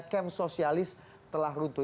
kemp sosialis telah runtuh